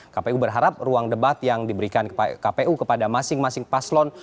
kpu berharap ruang debat yang diberikan kpu kepada masing masing paslon